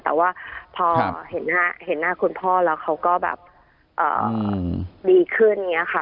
แต่ว่าพอเห็นหน้าคุณพ่อแล้วเขาก็แบบดีขึ้นอย่างนี้ค่ะ